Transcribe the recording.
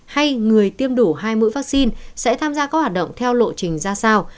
hay người tiêm đủ hai mũi vaccine sẽ tham gia các hoạt động theo lộ trình ra sao